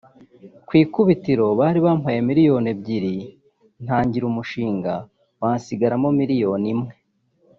ku ikubitiro bari bampaye miliyoni ebyiri ntangira umushinga bansigaramo miliyoni imwe